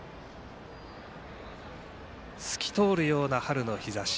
透き通るような春の日ざし。